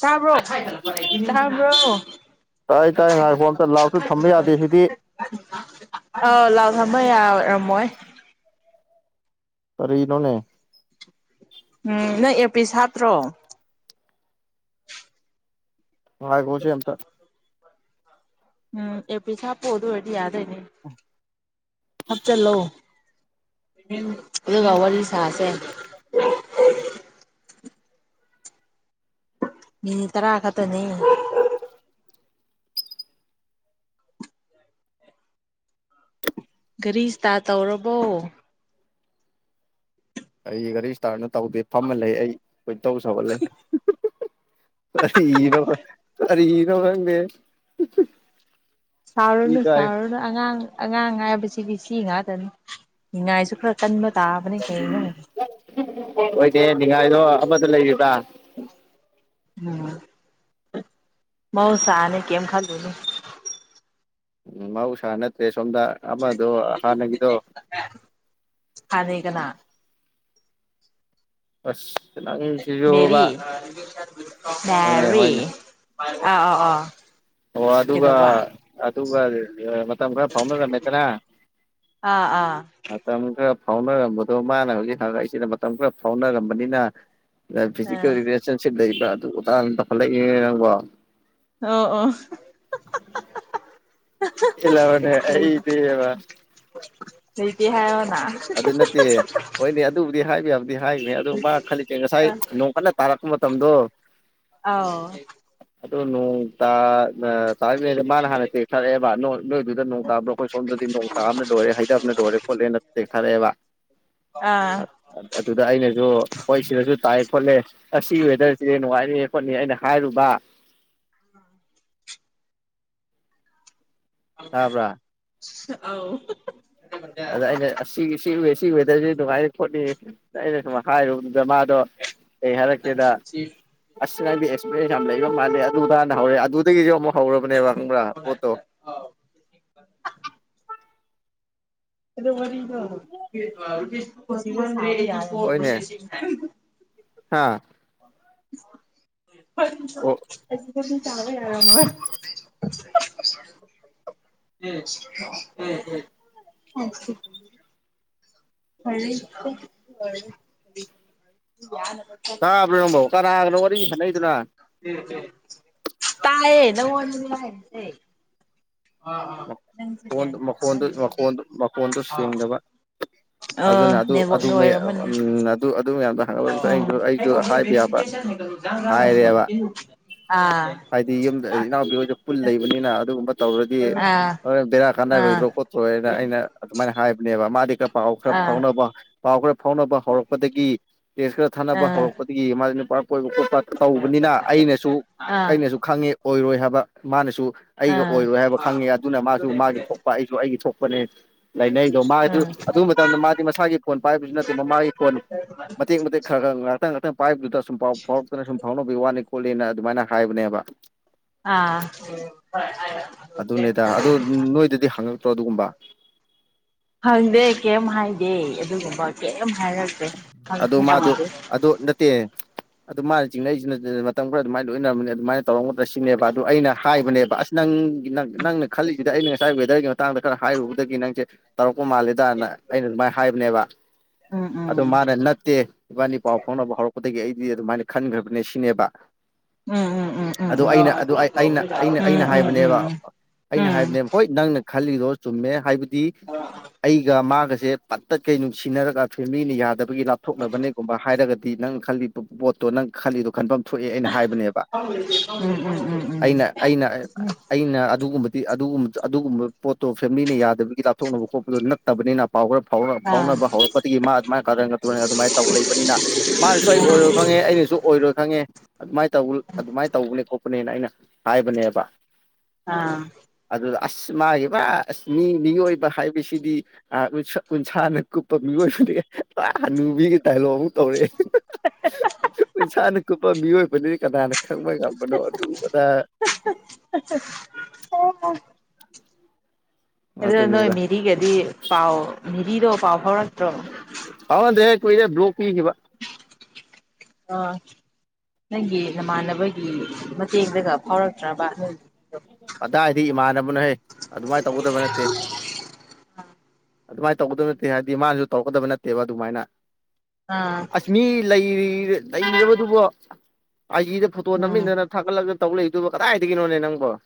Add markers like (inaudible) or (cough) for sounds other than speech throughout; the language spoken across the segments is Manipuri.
ꯇꯕ꯭ꯔꯣ ꯇꯕ꯭ꯔꯣ ꯇꯥꯏ ꯇꯥꯏ ꯉꯥꯏꯈꯣ ꯑꯝꯇ ꯂꯥꯎꯠꯁꯨ ꯊꯝꯕ ꯌꯥꯗꯦ ꯁꯤꯗꯤ ꯑꯥꯎ ꯂꯥꯎꯗ ꯊ (inaudible) ꯃ ꯌꯥꯔꯝꯃꯣꯏ ꯀꯔꯤꯅꯣꯅꯦ ꯎꯝ ꯅꯪ ꯏꯔꯄꯤꯤꯁ ꯍꯥꯞꯠꯇ꯭ꯔꯣ ꯉꯥꯏꯈꯣꯁꯦ ꯑꯝꯇ ꯎꯝ ꯏꯔꯄꯁ ꯍꯥꯞꯄꯨ ꯑꯗꯨ ꯑꯣꯏꯔꯗꯤ ꯌꯥꯗꯣꯏꯅꯦ ꯍꯥꯞꯆꯤꯜꯂꯨ ꯑꯗꯨꯒ ꯋꯥꯔꯤ ꯁꯥꯥꯁꯦ ꯃꯤꯅꯤꯠ ꯇꯔꯥ ꯈꯛꯇꯅꯤ ꯘꯔꯤꯁꯇꯥ ꯇꯧꯔꯕꯣ ꯑꯩꯒꯔꯤ ꯏꯁꯇꯥꯔꯠ ꯅꯠ ꯇꯧꯗꯦ ꯐꯝꯑ ꯂꯩ ꯑꯩ ꯈꯣꯏꯗꯧ ꯁꯧꯍꯠꯂꯦ ꯎꯝ ꯍꯨꯝ ꯍꯨꯝ ꯈꯣꯏꯗꯧ ꯁꯎꯒꯠꯂꯦ ꯀꯔꯤꯒꯤꯅꫭ ꯈꯪꯗꯦ ꯏ ꯁꯥꯎꯔꯨꯅꯨ ꯀꯥꯏ ꯁꯥꯎꯔꯅꯨ ꯑꯉꯥꯡ ꯑꯉꯥꯡ ꯍꯥꯏꯕꯁꯤꯗꯤ ꯁꯤ ꯁꯤ ꯉꯥꯛꯇꯅꯤ ꯅꯤꯡꯉꯥꯏꯁꯨ ꯈꯔ ꯀꯟꯕ ꯇꯥꯥꯕꯅꯤ ꯀꯩꯅꯤ ꯑꯣꯏꯗꯦ ꯅꯤꯡꯉꯥꯏꯗꯣ ꯑꯃꯗ ꯂꯩꯔꯤꯗ ꯎꯝ (unintelligible) ꯃꯧꯍꯩꯁꯅꯤ ꯀꯦꯝ ꯈꯜꯂꯨꯅꯨ ꯎꯝ ꯃꯥꯍꯧꯁꯥ ꯅꯠꯇ꯭ꯔꯦ ꯁꯣꯝꯗ ꯑꯃꯗꯣ ꯍꯥꯟꯅꯒꯤꯗꯣ ꯍꯥꯟꯅꯩ ꯀꯅꯥ ꯑꯁ ꯅꯪ ꯁꯤꯖꯨꯕꯥ ꯄꯦꯔꯤ (unintelligible) ꯑꯥ ꯑꯥ ꯑꯥ ꯑꯣ ꯑꯗꯨꯒ ꯀꯩꯗꯧꯕ ꯑꯗꯨꯒ ꯃꯇꯝ ꯈꯔ ꯐꯥꯎꯅꯔꯝꯃꯦꯗꯅ ꯑꯥ ꯑꯥ ꯃꯇꯝ ꯈꯔ ꯐꯥꯎꯅꯔꯝꯕꯗꯣ ꯃꯥꯅ ꯍꯧꯖꯤꯛ ꯍꯪꯉꯛꯏꯖꯦ ꯃꯇꯝ ꯈꯔ ꯐꯥꯎꯅꯔꯝꯕꯅꯤꯅ ꯐꯤꯖꯤꯀꯦꯜ ꯑꯥ ꯔꯤꯂꯦꯁꯟꯁꯤꯞ ꯂꯩ ꯑꯗꯨ ꯃꯥꯇꯛꯗꯨꯗꯥ ꯇꯧꯈꯠ ꯂꯛꯏ ꯅꯤꯅꯦ ꯅꯪꯕꯣ ꯑꯣ ꯑꯣ (unintelligible) ꯄꯦꯜꯂꯥꯕꯅꯦ ꯑꯥꯏꯗꯤꯕꯥ ꯂꯩꯇ ꯍꯥꯏꯌꫭ ꯑꯗꯨ ꯅꯠꯇꯦ ꯍꯣꯏꯅꯦ ꯑꯗꯨꯕꯨꯗꯤ ꯍꯥꯏꯕ ꯌꯥꯕꯗꯤ ꯍꯥꯏꯒ꯭ꯔꯦ ꯑꯗꯨ ꯃꯥ ꯈꯜꯂꯤꯖꯦ ꯉꯁꯥꯏ ꯅꯣꯡ ꯀꯟꯅ ꯇꯥꯔꯛꯄ ꯃꯇꯝ ꯃꯇꯝꯗꯣ ꯑꯥꯎ ꯑꯗꯨꯗꯣ ꯅꯣꯡ ꯇ ꯑ (unintelligible) ꯃꯥꯅ ꯍꯥꯟꯅ ꯇꯦꯛꯁ ꯊꯥꯔꯛ ꯑꯦꯕꯥ ꯅꯣꯏꯗꯨꯗ ꯅꯣꯡ ꯇꯥꯕ꯭ꯔꫭ ꯑꯩꯈꯣꯏ ꯁꯣꯝꯗꯗꯤ ꯅꯣꯡ ꯇꯥꯕꯅ ꯂꯣꯏꯔꯦ ꯍꯩꯗꯕꯅ ꯂꯣꯏꯔꯦ ꯈꯣꯠꯂꯦꯅ ꯑꯣꯏꯔꯦꯕ ꯑꯥ ꯑ ꯑꯗꯨꯗ ꯑꯩꯅꯖꯨ ꯍꫭꯏ ꯁꯤꯗꯁꯨ ꯇꯥꯏ ꯈꫭꯠꯂꯦ ꯑꯁꯤꯒꯤ ꯋꯦꯗꯔꯁꯤꯗꯤ ꯅꯨꯡꯉꯥꯏꯅꯤꯌꯦ ꯈꯣꯠꯅꯤꯌꯦ ꯑꯩꯅ ꯍꯥꯏꯔꯨꯕ (unintelligible) ꯇꯥꯕ꯭ꯔꯥ ꯑꯥꯎ (unintelligible) ꯑꯗ ꯑꯩꯅ ꯑꯁꯤ ꯑꯁꯤ ꯑꯁꯤ ꯋꯦꯗꯔꯖꯤ ꯅꯨꯡꯉꯥꯏꯅꯤ ꯈꯣꯠꯅꯤ ꯑꯩꯅ ꯁꯨꯝ ꯍꯥꯏꯔꯨꯕꯅꯤꯗ ꯃꯥꯗꯣ ꯀꯩ ꯍꯥꯏꯔꯛꯀꯦꯗ ꯅꯪꯗꯤ‌ ꯑꯦꯛꯄ꯭ꯔꯦꯁ ꯌꯥꯝ ꯂꯩꯕ ꯃꯜꯂꯦ ꯑꯗꯨ ꯍꯥꯟꯅ ꯍꯧꯔꯛꯑꯦ ꯑꯗꯨꯗꯒꯤꯁꯨ ꯑꯃꯨꯛ ꯍꯧꯔꯕꯅꯦꯕ ꯈꯪꯕ꯭ꯔꯥ ꯄꯣꯠꯇꯣ ꯑꯗ ꯋꯥꯔꯤ ꯋꯥꯔꯤ ꯑꯣ ꯍ ꯍꯦ ꯌꯥꯁꯤ ꯍꯥꯥ? (inaudible) ꯑꯣ ꯆꯔ ꯑꯃ ꯎꯝ ꯎꯝ ꯎꯝ (unintelligible) ꯇꯥꯕ꯭ꯔꯣ ꯅꯪꯕꯣ ꯀꯅꯥꯒꯅꯣ ꯋꯥꯔꯤ ꯁꯥꯟꯅꯩꯗꯨꯅꯥ? ꯑꯦ ꯃꯈꯣꯟ ꯃꯈꯣꯟꯗꯨ ꯇꯥꯃꯟꯗꯦ ꯃꯈꯣꯟ ꯃꯈꯣꯟꯗꯨ ꯁꯦꯡꯗꯕ ꯑꯥ ꯑꯗꯨꯅ ꯑꯗꯨ ꯑꯗꯨ ꯅꯦꯠꯋꯥꯛꯅ ꯃ ꯑꯣꯏꯔꯝꯃꯅꯤ ꯎ ꯑꯗꯨ- ꯑꯗꯨ (unintelligible) ꯎꯝ ꯊꯒꯠꯂꯁꯨ ꯑꯩꯁꯨ ꯑꯩꯁꯨ ꯍꯥꯏꯕ ꯌꯥꯕ ꯍꯥꯏꯔꯦꯕ ꯑꯥ ꯍꯥꯏꯗꯤ ꯌꯨꯝꯗ ꯏꯅꯥꯎꯄꯤ ꯍꯣꯏꯁꯨ ꯄꯨꯜ ꯂꯩꯕꯅꯤꯅ ꯑꯗꯨꯒꯨꯝꯕ ꯇꯧꯔꯗꯤ ꯑꯥ ꯍ ꯕꯦꯔꯥ ꯑꯥ ꯀꯥꯟꯅꯔꯣꯏꯗ꯭ꯔꯣ ꯈꯣꯠꯇ꯭ꯔꯣꯅ ꯑꯩꯅ ꯑꯗꯨꯃꯥꯏꯅ ꯍꯥꯏꯕꯅꯦꯕ ꯃꯥꯗꯤ ꯈꯔ ꯄꯥꯎ ꯈꯔ ꯐꯥꯎꯅꯕ ꯄꯥꯎꯈꯔꯥ ꯐꯥꯎꯅꯕ ꯍꯧꯔꯛꯄꯗꯒꯤ ꯇꯦꯁ ꯈꯔ ꯊꯥꯅꯕ ꯑꯥ ꯍꯧꯔꯛꯄꯗꯒꯤ ꯅꯨꯄꯥ ꯀꯣꯏꯕ ꯈꯣꯠꯄ ꯇꯧꯕꯅꯤꯅ ꯑꯩꯅꯁꯨ ꯑꯥ ꯑꯥ ꯑꯩꯅꯁꯨ ꯈꯪꯉꯦ ꯑꯣꯏꯔꯣꯏ ꯍꯥꯏ ꯃꯥꯅꯁꯨ ꯑꯩꯒ ꯑꯥ ꯑꯣꯏꯔꯣꯏ ꯍꯥꯏꯕ ꯈꯪꯉꯦ ꯑꯗꯨꯅ ꯃꯥꯁꯨ ꯃꯥꯒꯤ ꯊꯣꯛꯄ ꯑꯩꯁꯨ ꯑꯩꯒꯤ ꯊꯣꯛꯄ ꯐꯅꯦ ꯂꯩꯅꯩꯗꯣ ꯃꯥꯒꯤ ꯎꯝ ꯑꯗꯨꯕ ꯃꯇꯝꯗ ꯃꯥꯗꯤ ꯃꯁꯥꯒꯤ ꯐꯣꯟ ꯄꯥꯏꯕꯁꯤꯅꯠꯇꯅ ꯃꯥꯒꯤ ꯐꯣꯟ ꯃꯇꯦꯛ ꯃꯇꯦꯛ ꯈꯔ ꯈꯔ ꯉꯥꯛꯇꯪ ꯉꯥꯛꯇꯪ ꯄꯥꯏꯞꯗꯨꯗꯁ ꯔꯅ ꯁ ꯐꯥꯎ ꯋꯥꯅꯤ ꯈꯣꯠꯂꯤꯅ ꯑꯗꯨꯃꯥꯏꯅ ꯍꯥꯏꯕꯅꯦꯕ ꯑꯥ ꯑꯗ ꯅꯣꯏꯗꯗꯤ ꯍꯡꯉꯛꯇ꯭ꯔꯣ ꯑꯗꯨꯒꯨꯝꯕ ꯗꯦ ꯑꯗꯨꯒꯨꯝꯕ ꯀꯩꯝ ꯍꯥꯏꯔꯛꯇꯦ ꯑꯗꯨ ꯍꯪꯁꯨ ꯃꯥꯗꯨ ꯍꯪꯗꯦ ꯑꯗꯨ ꯅꯠꯇꯦ ꯑꯗꯨ ꯃꯥ ꯆꯤꯡꯅꯩꯖꯤꯅꯗꯤ ꯃꯇꯝ ꯈꯔ ꯑꯗꯨꯃꯥꯏꯅ ꯂꯣꯏꯅꯔꯝꯝꯕꯅꯤ ꯑꯗꯨꯃꯥꯏꯅ ꯇꯧꯔꯝꯒꯗ꯭ꯔ ꯁꯤꯅꯦꯕ ꯑꯗꯨ ꯑꯩꯅ ꯍꯥꯏꯕꯅꯦꯕ ꯑꯁ ꯅꯪ ꯅꯪꯅ ꯈꯜꯂꯤꯁꯤꯗ ꯑꯩꯅ ꯉꯁꯥꯏ ꯋꯦꯗꯔꯒꯤ ꯃꯇꯥꯡꯗ ꯈꯔ ꯍꯥꯏꯔꯨꯕꯗꯒꯤ ꯅꯪꯁꯦ ꯇꯧꯔꯛ ꯃꯥꯜꯂꯦꯗꯅ ꯑꯩꯅ ꯑꯗꯨꯃꯥꯏꯅ ꯍꯥꯏꯕꯅꯦꯕ ꯎꯝ ꯎꯝ ꯑꯗꯣ ꯃꯥꯅ ꯅꯠꯇꯦ ꯏꯕꯥꯅꯤ ꯄꯥꯎ ꯐꯥꯎꯅꯕ ꯍꯧꯔꯛꯄ ꯑꯗꯒꯤ ꯑꯩꯗꯤ ꯑꯗꯨꯃꯥꯏꯅ ꯈꯟꯈ꯭ꯔꯕꯅꯦ ꯁꯤꯅꯦꯕ ꯎꯝ ꯎꯝ ꯎꯝ ꯎꯝ ꯎꯝ ꯎꯝ ꯑꯗꯨ ꯎꯝ ꯎꯝ ꯑꯩꯅ ꯑꯗꯨ ꯑꯩꯅ ꯑꯩꯅ ꯑꯩꯅ ꯎꯝ ꯎꯝ ꯍꯥꯏꯕꯅꯦꯕ ꯎꯝ ꯑꯩꯅ ꯍꯥꯏꯕꯅꯦꯕ ꯍꯣꯏ ꯅꯪꯅ ꯈꯜꯂꯤꯗꯣ ꯆꯨꯝꯃꯦ ꯍꯥꯏꯕꯗꯤ ꯗꯤ ꯑꯩꯒ ꯃꯥꯒ ꯁꯦ ꯄꯠ ꯇꯠꯈꯩ ꯅꯨꯡꯁꯤꯅꯔꯒ ꯐꯦ ꯃꯤꯅ ꯌꯥꯗꯕꯒꯤ ꯂꯥꯞꯊꯣꯛꯅꯕꯅꯦꯒꯨꯝꯕ ꯍꯥꯏꯔꯒꯗꯤ ꯅꯪ ꯈꯜꯂꯤ ꯄꯣꯠꯇꯣ ꯅꯪ ꯈꯜꯂꯤꯗꯣ ꯈꯟꯐꯝ ꯊꯣꯛꯑꯦ ꯑꯩꯅ ꯍꯥꯏꯕꯅꯦꯕ ꯎꯝ ꯑꯩꯅ ꯑꯩꯅ ꯑꯩꯅ ꯑꯗꯨꯒꯨꯝꯕ ꯑꯗꯨꯒꯨꯝꯕ ꯄꯣꯠꯇꯣ ꯐꯦꯃꯤꯂꯤꯅ ꯌꯥꯗ ꯕꯒꯤ ꯂꯥꯞꯊꯣꯛꯅꯕ ꯈꯣꯠꯄꯗꯣ ꯅꯠꯇꯕꯅꯤꯅ ꯄꯥꯎ ꯈꯔ ꯐꯥꯎ ꯑꯥ ꯐꯥꯎꯅꯕ ꯍꯧꯔꯛꯄꯗꯩꯩ ꯃꯥ ꯑꯗꯨꯃꯥꯏꯅ ꯀꯥꯔꯟꯒ ꯇꯨꯔꯟꯒ ꯑꯗꯨꯃꯥꯏꯅ ꯇꯧ ꯂꯩꯕꯅꯤꯅ ꯃꯥꯅꯁꯨ ꯑꯩ ꯑꯣꯏꯔꯣꯏ ꯈꯪꯉꯦ ꯑꯩꯅꯁꯨ ꯑꯣꯏꯔꯣꯏ ꯈꯪꯉꯦ ꯉꯦ ꯑꯗꯨꯃꯥꯏꯅ ꯇꯧꯕ ꯑꯗꯨꯃꯥꯏꯅ ꯇꯧꯕꯅꯦ ꯈꯣꯠꯄꯅꯦ ꯅꯦꯅ ꯑꯩꯅ ꯍꯥꯏꯕꯅꯦꯕ ꯑꯥ ꯑꯁ ꯃꯥꯒꯤ ꯄꯨꯔꯥ ꯑꯁ ꯃꯤ ꯃꯤꯑꯣꯏꯕ ꯍꯥꯏꯕꯁꯤꯗꯤ ꯑ ꯎꯟꯁꯥꯅ ꯀꯨꯞꯄ ꯃꯤꯑꯣꯏꯕꯅꯤ ꯍꯥꯅꯨꯕꯤꯒꯤ ꯗꯥꯏꯂꯣꯛ ꯑꯃꯨꯛ ꯇꯧꯔꯛꯑꯦ ꯄꯩꯁꯥꯅ ꯀꯨꯞꯄ ꯃꯤꯑꯣꯏ ꯀꯅꯥꯅ ꯈꯪꯕ ꯉꯝꯕꯅꯣ ꯑꯗꯨꯒꯨꯝꯕꯗ ꯑꯗꯨꯗ ꯅꯣꯏ ꯃꯦꯔꯤꯒꯗꯤ ꯄꯥꯎ ꯃꯦꯔꯤꯗꯣ ꯄꯥꯎ ꯐꯥꯎꯔꯛ꯭ꯇꯔꯣ ꯍꯥꯎꯅꯗꯍ ꯔꯦ ꯕꯂꯣꯛ ꯄꯤꯒꯤꯕ ꯑꯥ ꯅꯪꯒꯤ ꯅꯃꯥꯟꯅꯕꯒꯤ ꯃꯇꯦꯡꯗꯒ ꯐꯥꯎꯔꯛꯇ꯭ꯔꯕ ꯅꯣꯏ ꯑꯗꯥꯏꯗꯤ ꯏꯃꯥꯟꯅꯕꯅꯍꯩ ꯑꯗꯨꯃꯥꯏꯅ ꯇꯧꯒꯗꯕ ꯅꯠꯇꯦ ꯑꯗꯨꯃꯥꯏꯅ ꯇꯧꯒꯗꯕ ꯅꯠꯇꯦ ꯍꯥꯏꯕꯗꯤ ꯃꯥꯅꯁꯨ ꯇꯧꯔꯛꯀꯗꯕ ꯅꯠꯇꯦꯕ ꯑꯗꯨꯃꯥꯏꯅ ꯑꯥ ꯑꯁ ꯃꯤ ꯂꯩꯔꯤ ꯂꯩꯅꯦꯕꯗꯨꯕꯣ ꯑꯥꯏꯖꯤꯗ ꯐꯣꯇꯣ ꯎꯝ ꯅꯝꯃꯤꯟꯅꯅ ꯊꯥꯒꯠꯂꯒ ꯇꯧꯂꯛꯏꯗꯨꯕ ꯀꯗꯥꯏꯗꯒꯤꯅꯣꯅꯦ ꯅꯪꯕꯣ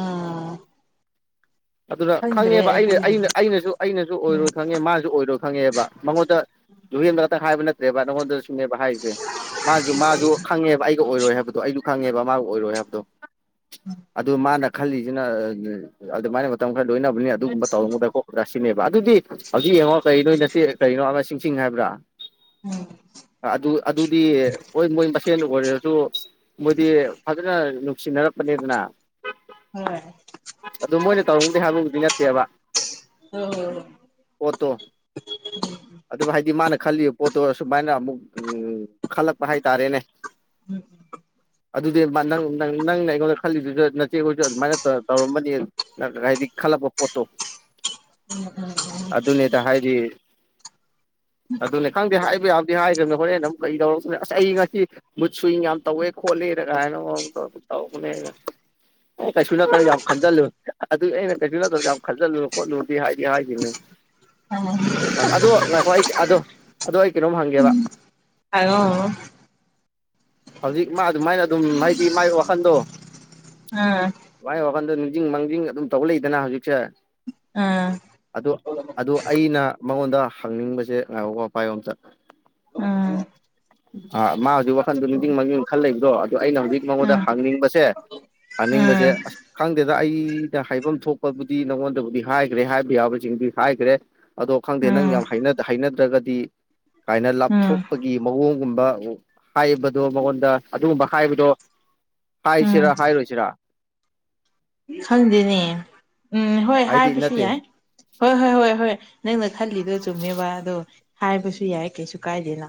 ꯑꯥ ꯑꯗꯨꯅ ꯈꯪꯉꯦꯕ ꯑꯩꯅ ꯑꯩꯅ ꯑꯩꯅꯁꯨ ꯑꯩꯅꯁꯨ ꯎꯝ ꯑꯣꯏꯔꯣꯏ ꯈꯪꯉꯦ ꯃꯥꯁꯨ ꯑꯣꯏꯔꯣꯏ ꯈꯪꯉꯦꯕ ꯃꯉꯣꯟꯗ ꯂꯍꯦꯟꯗ ꯍꯥꯏꯕ ꯅꯠꯇ꯭ꯔꯦ ꯅꯪꯉꯣꯟ ꯅꯦꯕ ꯍꯥꯏꯁꯦ ꯃꯥꯁꯨ ꯃꯥꯁꯨ ꯈꯪꯉꯦꯕ ꯑꯩ ꯑꯣꯏꯔꯣꯏ ꯍꯥꯏꯕꯗꯣ ꯑꯩꯁꯨ ꯈꯪꯉꯦꯕ ꯃꯥꯕꯨ ꯑꯣꯏꯔꯣꯏ ꯍꯥꯏꯕꯗꯣ (inaudible) ꯑꯗꯨ ꯃꯥꯅ ꯈꯜꯂꯤꯁꯤꯅ ꯑꯗꯨ ꯃꯥꯥꯏꯅ ꯃꯇꯝ ꯈꯔ ꯂꯣꯏꯅꯕꯅꯤ ꯑꯗꯨꯒꯨꯝꯕ ꯇꯧꯔꯝꯗ ꯈꯣꯠ꯭ꯔꯥ ꯁꯤꯅꯦꯕ ꯑꯗꯨꯗꯤ ꯍꯧꯖꯤꯛ ꯌꯦꯡꯉꯣ ꯀꯩꯅꯣ ꯅꯠꯇꯦ ꯀꯔꯤꯅꯣ ꯑꯃ ꯆꯤꯡ ꯍꯥꯏꯕ꯭ꯔꯥ ꯑꯗꯨ ꯑꯗꯨꯗꯤ ꯍꯣꯏ ꯃꯣꯏ ꯃꯁꯦꯟ ꯑꯣꯏꯔꯔꯁꯨ ꯃꯣꯏꯗꯤ ꯐꯖꯅ ꯅꯨꯡꯁꯤꯅꯔꯛꯄꯅꯦꯗꯅ ꯍꯣꯏ ꯁꯦꯕ ꯍ ꯍꯣ ꯄꯣꯠꯇꯣ ꯑꯗꯨꯕꯨ ꯍꯥꯏꯗꯤ ꯃꯥꯅ ꯈꯜꯂꯤꯕ ꯄꯣꯠꯇꯣ ꯑꯁꯨꯃꯥꯏꯅ ꯑꯃꯨꯛ ꯈꯜꯂꯛꯄ ꯍꯥꯏꯇꯥꯔꯦꯅꯦ ꯑꯗꯨꯗꯤ ꯅ ꯅꯪꯅ ꯑꯩꯉꯣꯟꯗ ꯈꯜꯂꯤꯗꯨꯁꯨ ꯏꯆꯦꯈꯣꯏꯁꯨ ꯑꯗꯨꯃꯥꯏꯅ ꯇꯧꯔꯝꯕꯅꯤ ꯍꯥꯏꯗꯤ ꯈꯜꯂꯛꯄ ꯄꯣꯠꯇꯣ ꯑꯗꯨꯅꯦꯗ ꯍꯥꯏꯗꯤ ꯑꯗꯨꯅꯦ ꯈꯪꯗꯦ ꯍꯥꯏꯕ ꯌꯥꯗꯤ ꯍꯥꯏꯈ꯭ꯔꯕꯅꯤ ꯍꯣꯔꯦꯟ ꯑꯗꯨꯨꯛ ꯀꯩ ꯇꯧꯔꯄꯅꯤ ꯑꯁ ꯑꯩ ꯉꯁꯤ ꯃꯨꯠ ꯁꯨꯋꯤꯡ ꯌꯥꯝ ꯇꯧꯋꯦ ꯈꯣꯠꯂꯦꯅ ꯀꯥꯏꯅ ꯇꯧꯔ ꯇꯧꯔꯄꯅꯦꯅ ꯀꯩꯁꯨ ꯅꯠꯇꯕ ꯌꯥꯝ ꯈꯟꯖꯤꯜꯂꯨ ꯑꯗꯨ ꯑꯩꯅ ꯀꯩꯁꯨ ꯅꯠꯇꯕꯁꯨ ꯌꯥꯝ ꯈꯟꯖꯜꯂꯨ ꯈꯣꯠꯂꯨꯗꯤ ꯍꯥꯏꯗꯤ ꯍꯥꯏꯈꯤꯕꯅꯤ ꯍꯣꯏ ꯑꯣ ꯉꯥꯏꯈꯣ ꯑ ꯑꯗꯣ ꯑꯩ ꯀꯩꯅꯣꯝ ꯍꯪꯒꯦꯕ ꯍꯥꯏꯌ ꯍꯪꯉ ꯍꯧꯖꯤꯛ ꯃꯥ ꯑꯗꯨꯃꯥꯏꯅ ꯑꯗꯨꯝ ꯍꯥꯏꯗꯤ ꯃꯥꯒꯤ ꯋꯥꯈꯜꯗꯣ ꯃꯥꯥꯏ ꯋꯥꯈꯟꯗꯣ ꯅꯤꯡꯁꯤꯡꯤꯡ ꯃꯥꯡꯖꯤꯡ ꯑꯗꯨꯝ ꯇꯧꯕ ꯂꯩꯗꯅ ꯍꯧꯖꯤꯛꯁꯦ ꯑꯗꯨ ꯑꯗꯨ ꯑꯩꯅ ꯃꯉꯣꯟꯗ ꯍꯪꯅꯤꯡꯕꯁꯦ ꯉꯥꯏꯈꯀꯣ ꯄꯥꯏꯌꯣ ꯑꯣꯝꯇ ꯑꯥ ꯃꯥ ꯍꯧꯖꯤꯛ ꯋꯥꯈꯟꯗꯣ ꯅꯤꯡꯁꯤꯡ ꯃꯥꯡꯖꯤꯡ ꯈꯜ ꯂꯩꯕꯗꯣ ꯑꯗꯨ ꯑꯩꯅ ꯍꯧꯖꯤꯛ ꯃꯉꯣꯟꯗ ꯍꯪꯅꯤꯡꯕꯁꯦ ꯍꯥꯏꯅꯤꯡꯕꯁꯦ ꯈꯪꯗꯦꯅꯦ ꯑꯁ ꯈꯪꯗꯦꯗ ꯑꯩꯗ ꯍꯥꯏꯐꯝ ꯊꯣꯛꯄꯕꯨꯗꯤ ꯅꯪꯉꯣꯟꯗꯕꯨꯗꯤ ꯍꯥꯏꯈ꯭ꯔꯦ ꯍꯥꯏꯕ ꯌꯥꯕꯁꯤꯡꯗꯨꯗꯤ ꯍꯥꯏꯈ꯭ꯔꯦ ꯑꯗꯣ ꯈꯪꯗꯦ ꯅꯪ ꯌꯥꯝ ꯍꯥꯏꯅꯗ꯭ꯔꯒꯗꯤ ꯀꯥꯏꯅ ꯂꯥꯞꯊꯣꯛꯄꯒꯤ ꯃꯑꯣꯡꯒꯨꯝꯕ ꯍꯥꯏꯕꯗꯣ ꯃꯉꯣꯟꯗ ꯑꯗꯨꯒꯨꯝꯕ ꯍꯥꯏꯕꯗꯣ ꯍꯥꯏꯁꯤꯔꯥ ꯍꯥꯏꯔꯣꯏꯁꯤ ꯨꯖꯔꯥ ꯈꯪꯗꯦꯅꯦ ꯎꯝ ꯍꯣꯏ ꯍꯥꯏꯕꯁꯨ ꯅꯠꯇꯦ ꯌꯥꯏ ꯍꯣꯏ ꯍꯣꯏ ꯍꯣꯏ ꯍꯣꯏ ꯅꯪ ꯈꯜꯂꯤꯗꯣ ꯆꯨꯝꯃꯦꯕ ꯑꯗꯣ ꯍꯥꯏꯕꯁꯨ ꯌꯥꯏ ꯀꯩꯁꯨ ꯀꯥꯏꯗꯦꯅ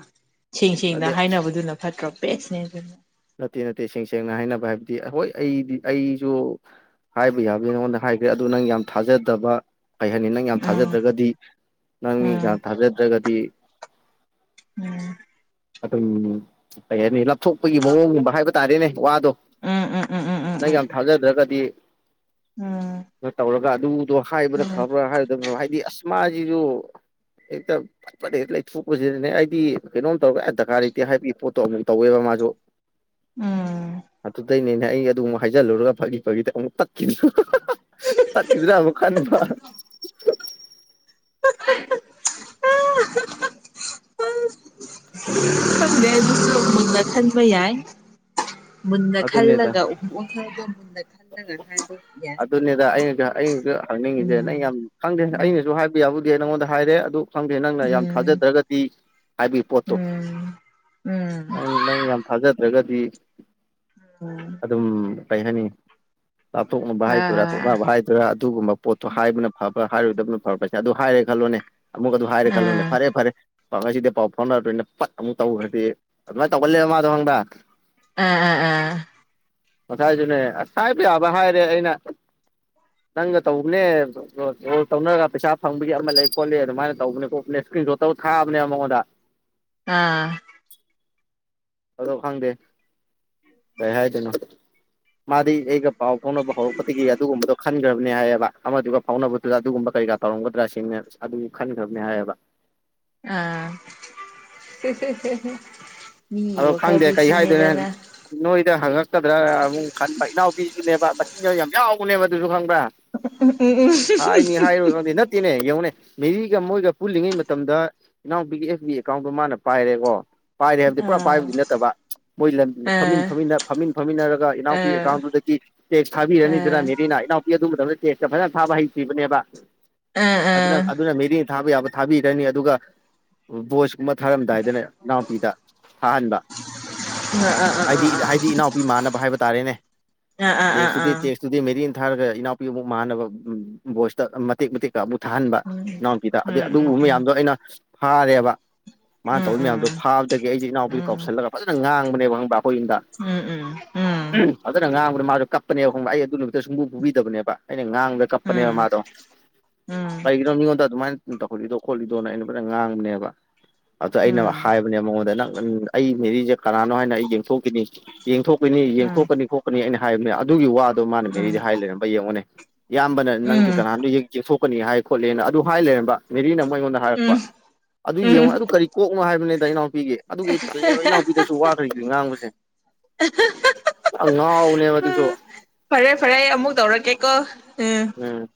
ꯁꯦꯡ ꯁꯦꯡꯅ ꯅꯠꯇꯦ ꯑꯁ ꯍꯥꯏꯅꯕꯗꯨꯅ ꯐꯠꯇ꯭ꯔꯣ ꯕꯦꯁꯅꯦ ꯑꯗꯨꯅ ꯅꯠꯇꯦ ꯅꯠꯇꯦ ꯁꯦꯡ ꯁꯦꯡꯅ ꯍꯥꯏꯅꯕ ꯍꯥꯏꯕꯗꯤ ꯍꯣꯏ ꯑꯩꯗꯤ ꯑꯩꯁꯨ ꯍꯥꯏꯕ ꯌꯥꯕꯦ ꯅꯉꯣꯟꯗ ꯍꯥꯏꯈ꯭ꯔꯦ ꯑꯗꯨ ꯅꯪ ꯌꯥꯝ ꯊꯥꯖꯗꯕ ꯀꯩ ꯍꯥꯏꯅꯤ ꯅꯪ ꯌꯥꯝ ꯎꯝ ꯊꯥꯖꯗ꯭ꯔꯒꯗꯤ ꯅꯪꯒꯤ ꯎꯝ ꯌꯥꯝ ꯊꯥꯖꯗ꯭ꯔꯒꯗꯤ ꯎꯝ ꯑꯗꯨꯝ ꯀꯩ ꯍꯥꯏꯅꯤ ꯂꯥꯞꯊꯣꯛꯄꯒꯤ ꯃꯑꯣꯡꯒꯨꯝꯕ ꯍꯥꯏꯕ ꯇꯥꯔꯦꯅꯦ ꯋꯥꯗꯣ ꯎꯝ ꯎꯝ ꯎꯝ ꯎꯝ ꯎꯝ ꯅꯪ ꯌꯥꯝ ꯊꯥꯖꯗ꯭ꯔꯒꯗꯤ ꯇꯧꯔꯒ ꯑꯗꯨꯗꯣ ꯍꯥꯏꯕ꯭ꯔ ꯎꯝ ꯎꯝ ꯎꯝ ꯐꯕ꯭ꯔꯥ ꯍꯥꯏꯔꯗꯕ꯭ꯔ ꯍꯥꯏꯗꯤ ꯑꯁ ꯃꯥꯁꯤꯁꯨ ꯍꯦꯛꯇ ꯐꯠ ꯍꯦꯛꯇ ꯂꯩꯊꯣꯛꯄꯁꯤꯗꯅꯦ ꯑꯩꯗꯤ ꯀꯩꯅꯣꯝ ꯗꯔꯀꯥꯔ ꯂꯩꯇꯦ ꯍꯥꯏꯕꯒꯤ ꯄꯣꯠꯇꯣ ꯑꯃꯨꯃꯨꯛ ꯇꯧꯋꯦꯕ ꯃꯥꯁꯨ ꯎꯨꯝ ꯑꯗꯨꯗꯩꯅꯤꯅꯦ ꯑꯩ ꯑꯗꯨ ꯑꯃꯨꯛ ꯍꯥꯏꯖꯤꯜꯂꯨꯔꯒ ꯐꯒꯤ ꯐꯒꯤꯗ ꯑꯃꯨꯛ ꯇꯠꯈꯤꯗ ꯍ ꯍ ꯍ ꯇꯠꯈꯤꯗ꯭ꯔꯥ ꯑꯃꯨꯛ ꯈꯟꯕ (inaudible) ꯈꯪꯗꯦ ꯑꯗꯨꯁꯨ ꯃꯨꯟꯅ ꯈꯟꯕ ꯌꯥꯏ ꯃꯨꯟꯅ ꯑꯗꯨꯅꯦꯗ ꯈꯜꯂꯒ ꯑꯃꯨꯛ ꯑꯣꯟꯊꯗ ꯃꯨꯟꯅ ꯈꯜꯂꯒ ꯍꯥꯏꯕ ꯌꯥꯏ ꯑꯗꯨꯅꯤꯗ ꯑꯩꯅꯁꯨ ꯑꯩꯅꯁꯨ ꯍꯪꯅꯤꯡꯉꯤꯁꯦ ꯅꯪ ꯃꯤꯒꯤ ꯌꯥꯝ ꯈꯪꯗꯦ ꯑꯩꯅꯁꯨ ꯍꯥꯏꯕ ꯌꯥꯕꯨ ꯗꯤ ꯅꯉꯣꯟꯗ ꯍꯥꯏꯔꯦ ꯑꯗꯨ ꯈꯪꯗꯦ ꯅꯪꯅ ꯌꯥꯝ ꯊꯥꯖꯗ꯭ꯔꯒꯗꯤ ꯍꯥꯏꯕꯒꯤ ꯄꯣꯠꯇꯨ ꯅꯪ-ꯅꯪꯅ ꯌꯥꯝ ꯊꯥꯖꯗ꯭ꯔꯒꯗꯤ ꯑꯗꯨꯝ ꯀꯩ ꯍꯥꯏꯅꯤ ꯂꯥꯞꯊꯣꯛꯅꯕ ꯍꯥꯏꯗꯣꯏꯔꯥ ꯇꯣꯛꯅꯅꯕ ꯍꯥꯏꯗꯣꯏꯔꯥ ꯑꯗꯨꯒꯨꯝꯕ ꯄꯣꯠꯇꯣ ꯍꯥꯏꯕꯅ ꯐꯕ ꯍꯣꯏ ꯍꯥꯏꯔꯣꯏꯗꯕꯅ ꯐꯕ꯭ꯔꯁꯤꯅꯤ ꯑꯗꯨ ꯍꯥꯏꯔꯦ ꯈꯜꯂꯣꯅꯦ ꯑꯃꯨꯛꯀꯥ ꯑꯗꯨ ꯍꯥꯏꯔꯦ ꯈꯜꯂꯣꯅꯦ ꯐꯔꯦ ꯐꯔꯦ ꯄ ꯉꯁꯤꯗꯩ ꯄꯥꯎ ꯐꯥꯎꯅꯔꯔꯣꯏꯅ ꯄꯠ ꯑꯃꯨꯛ ꯇꯧꯈ꯭ꯔꯗꯤ ꯑꯗꯨꯃꯥꯏꯅ ꯇꯧꯒꯜꯂꯦꯕ ꯃꯥꯗꯣ ꯈꯪꯕ꯭ꯔ ꯑꯥ-ꯑ-ꯑꯥ ꯉꯁꯥꯏꯖꯨꯅꯦ ꯍꯥꯏꯕ ꯌꯥꯕ ꯍꯥꯏꯔꯦ ꯑꯩꯅ ꯅꯪꯒ ꯇꯧꯕꯅꯦ ꯑꯗꯨ ꯇꯧꯅꯔꯒ ꯄꯩꯁꯥ ꯐꯪꯕꯒꯤ ꯑꯃ ꯂꯩ ꯈꯣꯠꯂꯦ ꯑꯗꯨꯃꯥꯏꯅ ꯇꯧꯕꯅꯦ ꯈꯣꯠꯄꯅꯦ ꯏꯁꯀ꯭ꯔꯤꯟ ꯁꯣꯠ ꯇꯧ ꯊꯥꯕꯅꯦ ꯃꯉꯣꯟꯗ ꯑꯥ ꯑꯗꯣ ꯈꯪꯗꯦ ꯀꯩ ꯍꯥꯏꯗꯣꯏꯅꯣ ꯃꯥꯗꯤ ꯑꯩꯒ ꯄꯥꯎ ꯐꯥꯎꯅꯕ ꯍꯧꯔꯛꯄꯗꯒꯤ ꯑꯗꯨꯒꯨꯝꯕꯗꯣ ꯈꯟꯈ꯭ꯔ ꯅꯦ ꯍꯥꯏꯌꯦꯕ ꯑꯃꯗꯨꯒ ꯐꯥꯎꯅꯕꯗꯨꯗ ꯑꯗꯨꯒꯨꯝꯕ ꯀꯔꯤ ꯀꯥ ꯇꯧꯔꯝꯒꯗ꯭ꯔꯥ ꯁꯤ ꯑꯗꯨ ꯈꯟꯒꯔꯥꯕꯅꯤ ꯍꯥꯏꯌꯦꯕ ꯑ-ꯍꯦ-ꯍꯦ-ꯍꯦ-ꯍꯦ ꯑꯗꯣ ꯈꯪꯗꯦ ꯀꯩ ꯍꯥꯏꯗꯣꯏꯅꯣ ꯅꯣꯏꯗ ꯍꯪꯉꯛꯀꯗ꯭ꯔꯥ ꯑꯃꯨꯛ ꯈꯟꯕ ꯏꯅꯥꯎ ꯄꯤꯁꯨꯅꯦꯕ ꯃꯆꯤꯟꯗꯣ ꯌꯥꯝ ꯌꯥꯎꯕꯅꯦꯕ ꯑꯗꯨꯁꯨ ꯈꯪꯕ꯭ꯔꯥ ꯎꯝ ꯍꯥꯏꯅꯤ ꯍ-ꯍ-ꯍ-ꯍ ꯍꯥꯏꯔꯣꯏ ꯈꯪꯗꯦ ꯅꯠꯇꯦꯅꯦ ꯌꯦꯡꯉꯨꯅꯦ ꯃꯦꯔꯤꯒ ꯃꯣꯏꯒ ꯄꯨꯜꯂꯤꯉꯩ ꯃꯇꯝꯗ ꯏꯅꯥꯎꯄꯤꯒꯤ ꯑꯦꯐ ꯕꯤ ꯑꯦꯀꯥꯎꯟꯗꯣ ꯃꯥꯅ ꯄꯥꯏꯔꯦꯕꯀꯣ ꯄꯥꯏꯔꯦ ꯍꯥꯏꯕꯗꯤ ꯄꯨꯔꯥ ꯑꯥ ꯄꯥꯏꯕꯨꯗꯤ ꯅꯠꯇꯕ ꯃꯣꯏ ꯂꯝ ꯐꯝꯃꯤꯟ ꯑꯥ ꯐꯝꯟꯅ ꯐꯝꯃꯤꯟ ꯐꯝꯃꯤꯟꯅꯔꯒ ꯏꯅꯥꯎꯄꯤ ꯑꯥ ꯑꯦꯀꯥꯎꯟꯗꯨꯗꯒꯤ ꯇꯦꯛꯁ ꯑꯥ ꯊꯥꯕꯤꯔꯅꯤꯗꯅ ꯃꯦꯔꯤꯅꯥ ꯏꯅꯥꯎꯄꯤ ꯑꯗꯨꯗ ꯇꯦꯛꯁꯀ ꯐꯖꯅ ꯊꯥꯕ ꯍꯩꯇ꯭ꯔꯤꯕꯅꯦꯕ ꯑꯥ ꯑꯥ ꯑꯥ ꯑꯥ ꯑꯥ ꯑꯗꯨꯅ-ꯑꯗꯨꯅ ꯃꯦꯔꯤ ꯊꯥꯕ ꯌꯥꯕ ꯊꯥꯕꯤꯔꯅꯤ ꯑꯗꯨꯒ ꯕꯣꯏꯁ ꯀꯨꯝꯕ ꯊꯥꯔꯝꯗꯥꯏꯗꯅꯦ ꯏꯅꯥꯎꯄꯤꯗ ꯊꯥꯍꯟꯕ ꯑꯥ ꯍꯥꯏꯗꯤ ꯍꯥꯏꯗꯤ ꯏꯅꯥꯎꯄꯤ ꯃꯥꯟꯅꯕ ꯍꯥꯏꯕ ꯇꯥꯔꯦꯅꯦ ꯑꯥ ꯑꯥ ꯇꯦꯛꯁꯇꯨꯗꯤ ꯑꯥ ꯇꯦꯛꯁꯇꯨꯗꯤ ꯃꯦꯔꯤꯟ ꯊꯥꯔꯒ ꯏꯅꯥꯎꯄꯤ ꯑꯃꯨꯛ ꯃꯥꯟꯅꯕ ꯚ ꯚ ꯚꯣꯏꯁꯇ ꯃꯇꯦꯛ ꯃꯇꯦꯛ ꯇ ꯑꯃꯨꯛ ꯊꯥꯍꯟꯕ ꯏꯅꯥꯎꯅꯨꯄꯤꯗ ꯎꯝ ꯎꯝ ꯎꯝ ꯎꯝ ꯑꯗꯩ ꯑꯗꯨ ꯎꯕ ꯃꯌꯥꯝꯗꯣ ꯑꯩꯅ ꯐꯥꯔꯦꯕ ꯃꯥꯅ ꯇꯧꯔꯤ ꯃꯌꯥꯝꯗꯣꯥ ꯐꯥ ꯑꯗꯒꯤ ꯑꯩꯗꯤ ꯎꯝ ꯏꯅꯥꯎꯄꯤ ꯀꯧꯁꯜꯂꯒ ꯐꯖꯅ ꯉꯥꯡ (unintelligible) ꯈꫭꯏ ꯌꯨꯝꯗ ꯎꯝ ꯎꯝ ꯎꯝ ꯎꯟ ꯐꯖꯅ ꯉꯥꯡ ꯃꯥꯗꯨ ꯀꯞꯄꯅꯦꯕ ꯈꯪꯕ꯭ꯔꯥ ꯑꯩ ꯑꯗꯨ ꯅꯨꯃꯤꯠꯇ ꯁꯨꯡꯐꯨ ꯐꯨꯕꯤꯗꯕꯅꯦꯕ ꯉꯥꯡꯕꯗ ꯀꯝꯄꯅꯦ ꯃꯥꯗꫭ ꯎꯝ ꯎꯝ ꯀꯩꯒꯤꯅꯣ ꯃꯤꯉꯣꯟꯗ ꯑꯗꯨꯃꯥꯏꯅ ꯇꯧꯈꯠꯂꯤꯗꯣ ꯈꯣꯠꯂꯤꯗꯣꯅ ꯑꯩꯅ ꯐꯖꯅ ꯉꯥꯡꯕꯅꯦꯕ꯫ ꯑꯗ ꯑꯩꯅ ꯍꯥꯏꯕꯅꯦ ꯃꯉꯣꯟ ꯅꯪ ꯎꯡ ꯑꯩ ꯃꯦꯔꯤꯖꯦ ꯀꯅꯥꯅꯣ ꯍꯥꯏꯅ ꯑꯩ ꯌꯦꯡꯊꯣꯛꯈꯤꯅꯤ ꯌꯦꯊꯣꯛ ꯑꯩꯈꯣꯏ ꯎꯝ ꯎꯝ ꯌꯦꯡꯊꯣꯛꯀꯅꯤ ꯈꯣꯠꯀꯅꯤ ꯑꯩꯅ ꯍꯥꯏꯕꯅꯦ ꯑꯗ ꯑꯗꯨꯒꯤ ꯋꯥꯗꯣ ꯃꯥꯅ ꯃꯦꯔꯤꯗꯤ ꯍꯥꯏ ꯂꯩꯔꯝꯕ ꯌꯦꯡꯉꯣꯅꯦ ꯏꯌꯥꯝꯕꯅ ꯅꯪꯖꯦ ꯀꯅꯥꯅꯣ ꯌꯦꯛꯊꯣꯛꯀꯅꯤ ꯍꯥꯏ ꯈꯣꯠꯂꯦꯅ ꯑꯗꯨ ꯍꯥꯏ ꯂꯩꯔꯝꯕ ꯃꯦꯔꯤꯅ ꯑꯃꯨꯛ ꯑꯩꯉꯣꯟꯗ ꯎꯝ ꯎꯝ ꯍꯥꯏꯔꯛꯄ ꯑꯗꯨ ꯌꯦꯡꯉꯣ ꯎꯝ ꯑꯗꯨ ꯀꯔꯤ ꯀꯣꯛꯅꯣ ꯍꯥꯏꯕꯅꯤꯗ ꯏꯅꯥꯎꯄꯤꯒꯤ ꯑꯗꯨꯒꯤ ꯑꯩ ꯇꯜꯂꯦꯕ ꯏꯅꯥꯎꯄꯤꯗꯁꯨ ꯋꯥ (unintelligible) ꯉꯥꯡꯕꯁꯦ ꯌꯥꯝ ꯉꯥꯎꯕꯅꯦꯕ ꯑꯗꯨꯁꯨ꯫ ꯐꯔꯦ - ꯐꯔꯦ ꯑꯃꯨꯛ ꯇꯧꯔꯛꯀꯦꯀꯣ꯫ ꯎꯝ꯫